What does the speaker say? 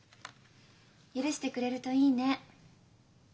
許してくれるといいね。